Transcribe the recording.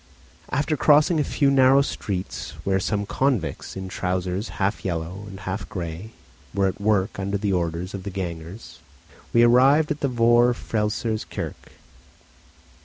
After crossing a few narrow streets where some convicts, in trousers half yellow and half grey, were at work under the orders of the gangers, we arrived at the Vor Frelsers Kirk.